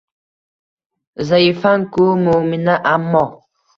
Zaifang-ku moʼmina, ammo